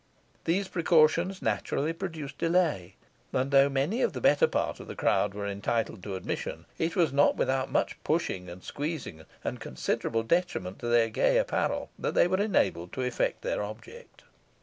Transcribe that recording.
These precautions naturally produced delay; and, though many of the better part of the crowd were entitled to admission, it was not without much pushing and squeezing, and considerable detriment to their gay apparel, that they were enabled to effect their object.